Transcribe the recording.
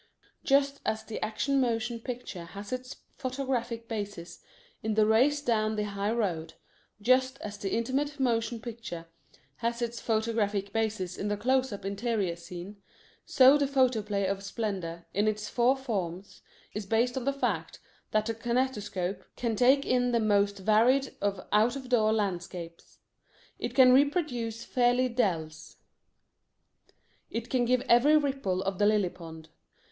Just as the Action Motion Picture has its photographic basis in the race down the high road, just as the Intimate Motion Picture has its photographic basis in the close up interior scene, so the Photoplay of Splendor, in its four forms, is based on the fact that the kinetoscope can take in the most varied of out of door landscapes. It can reproduce fairy dells. It can give every ripple of the lily pond.